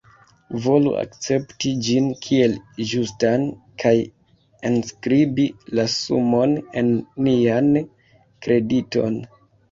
Volu akcepti ĝin kiel ĝustan kaj enskribi la sumon en nian krediton.